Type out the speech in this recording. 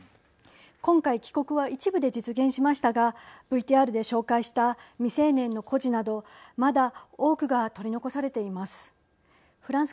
今回帰国は一部で実現しましたがＶＴＲで紹介した未成年の孤児などまだ多くが取り残されています。